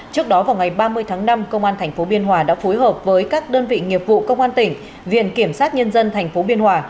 trước đó vào ngày ba mươi tháng năm công an thành phố biên hòa đã phối hợp với các đơn vị nghiệp vụ công an tỉnh viện kiểm sát nhân dân thành phố biên hòa